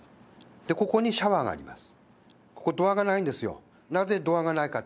ここにシャワーがあります。